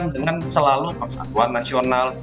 dengan selalu persatuan nasional